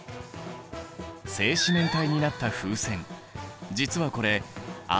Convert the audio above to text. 正四面体になった風船。